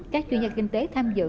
các chuyên gia kinh tế tham dự